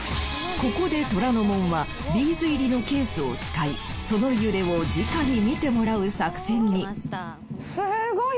ここで虎ノ門はビーズ入りのケースを使いその揺れをじかに見てもらう作戦に。